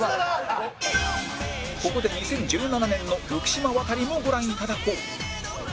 ここで２０１７年の浮島渡りもご覧いただこう